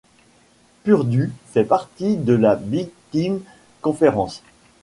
Purdue fait partie de la Big Ten Conference.